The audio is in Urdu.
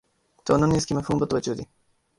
تو انہوں نے اس کے مفہوم پر توجہ دی